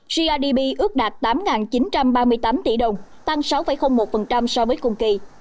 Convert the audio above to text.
grdp ước đạt tám chín trăm ba mươi tám tỷ đồng tăng sáu một so với cùng kỳ